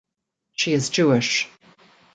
She is Jewish.